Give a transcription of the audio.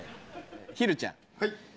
ひるちゃん。